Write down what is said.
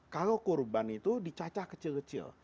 kalau kurban itu dicacah kecil kecil